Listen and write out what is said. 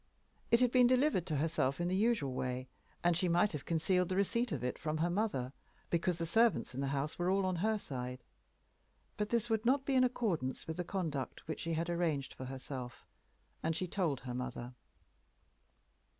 It had been delivered to herself in the usual way, and she might have concealed the receipt of it from her mother, because the servants in the house were all on her side. But this would not be in accordance with the conduct which she had arranged for herself, and she told her mother.